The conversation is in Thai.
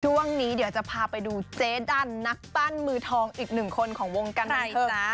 ช่วงนี้เดี๋ยวจะพาไปดูเจ๊ดันนักปั้นมือทองอีกหนึ่งคนของวงการเพลงนะ